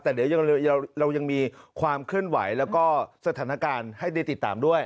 แต่เดี๋ยวเรายังมีความเคลื่อนไหวแล้วก็สถานการณ์ให้ได้ติดตามด้วย